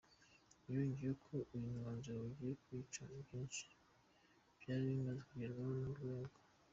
Yongeyeho ko uyu mwanzuro ugiye kwica byinshi byari bimaze kugerwaho n’urwego.